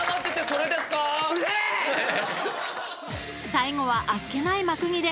［最後はあっけない幕切れ。